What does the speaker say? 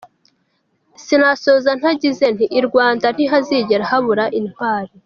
Sinasoza ntagize nti ” i Rwanda ntihazigera habura intwari!